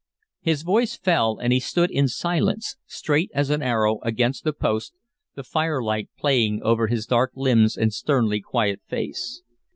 His voice fell, and he stood in silence, straight as an arrow, against the post, the firelight playing over his dark limbs and sternly quiet face.